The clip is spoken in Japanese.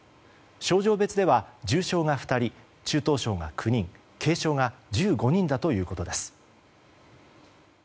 症状別では、重症が２人中等症が９人軽症が１５人だということです。